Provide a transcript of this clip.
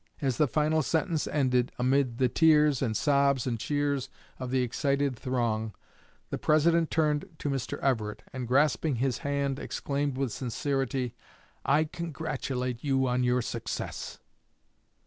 As the final sentence ended, amid the tears and sobs and cheers of the excited throng, the President turned to Mr. Everett, and, grasping his hand, exclaimed with sincerity, "I congratulate you on your success."